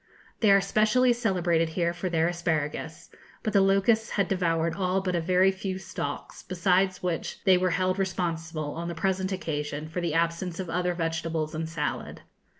They are specially celebrated here for their asparagus, but the locusts had devoured all but a very few stalks, besides which they were held responsible, on the present occasion, for the absence of other vegetables and salad.